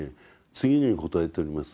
次のように答えております。